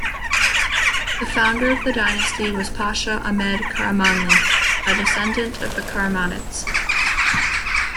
The founder of the dynasty was Pasha Ahmed Karamanli, a descendant of the Karamanids.